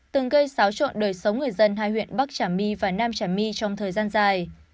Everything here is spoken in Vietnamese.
từng gây xáo trộn đời sống người dân hai huyện bắc trà my và nam trà my trong thời gian dài